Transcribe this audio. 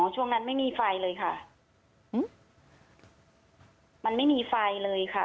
ช่วงนั้นไม่มีไฟเลยค่ะมันไม่มีไฟเลยค่ะ